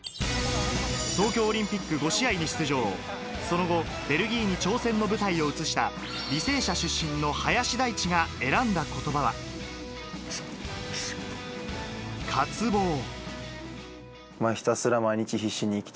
東京オリンピック５試合に出場、その後、ベルギーに挑戦の舞台を移した履正社出身の林大地が選んだ言葉は、渇望。